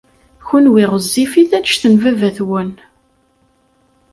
Kenwi ɣezzifit anect n baba-twen.